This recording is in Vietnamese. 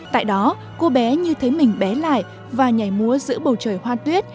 tại đó cô bé như thế mình bé lại và nhảy múa giữa bầu trời hoa tuyết